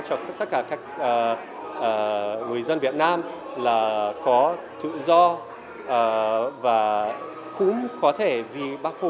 thực sự là tất cả mọi người